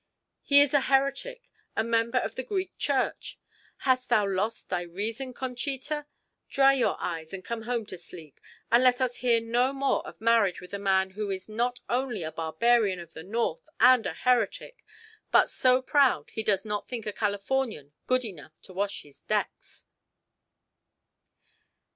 He is a heretic a member of the Greek Church! Hast thou lost thy reason, Conchita? Dry your eyes and come home to sleep, and let us hear no more of marriage with a man who is not only a barbarian of the north and a heretic, but so proud he does not think a Californian good enough to wash his decks."